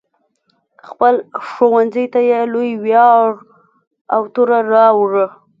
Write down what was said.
خپل ښوونځي ته یې لوی ویاړ او توره راوړه.